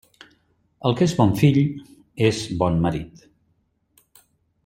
El que és bon fill és bon marit.